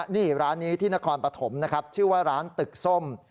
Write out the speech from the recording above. นี่ร้านนี้ที่นครปฐมนะครับชื่อว่าร้านตึกส้ม